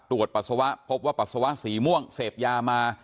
ปัสสาวะพบว่าปัสสาวะสีม่วงเสพยามา